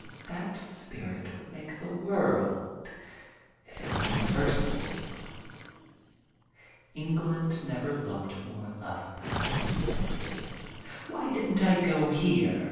That spirit would make the world if it were universal. England never looked more lovely. Why didn't I go here?